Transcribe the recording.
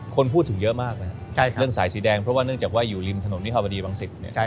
คนพูดถึงเยอะมากนะครับเรื่องสายสีแดงเพราะว่าเนื่องจากว่าอยู่ริมถนนวิภาวดีวังศิษย์